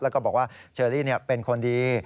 แล้วก็บอกว่าเชอรี่เป็นคนดี